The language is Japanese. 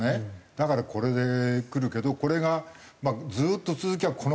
だからこれで来るけどこれがずっと続きゃこのまんま増えていくよ。